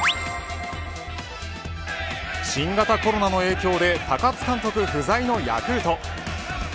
新型コロナの影響で高津監督不在のヤクルト。